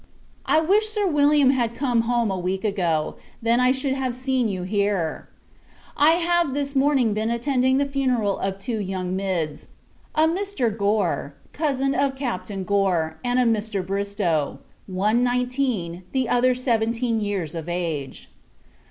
I wish Sir William had come home a week ago, then I should have seen you here. I have this morning been attending the funeral of two young Mids: a Mr. Gore, cousin of Capt. Gore, and a Mr. Bristow. One nineteen, the other seventeen years of age.